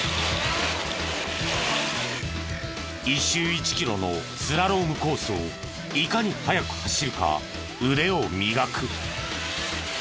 １周１キロのスラロームコースをいかに速く走るか腕を磨く。